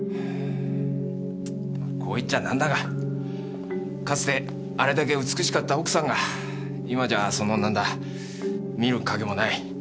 こう言っちゃ何だがかつてあれだけ美しかった奥さんが今じゃその何だ見る影もない。